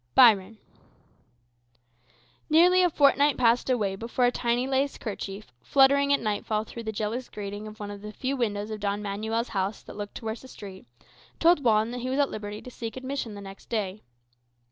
Byron Nearly a fortnight passed away before a tiny lace kerchief, fluttering at nightfall through the jealous grating of one of the few windows of Don Manuel's house that looked towards the street, told Juan that he was at liberty to seek admission the next day.